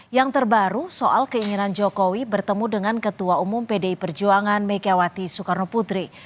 yang terbaru soal keinginan jokowi bertemu dengan ketua umum pdi perjuangan megawati soekarno putri